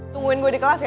tungguin gue di kelas ya